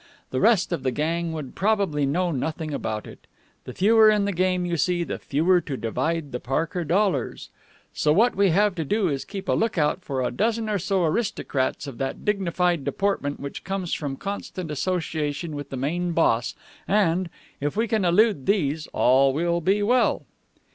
The rest of the gang would probably know nothing about it. The fewer in the game, you see, the fewer to divide the Parker dollars. So what we have to do is to keep a lookout for a dozen or so aristocrats of that dignified deportment which comes from constant association with the main boss, and, if we can elude these, all will be well."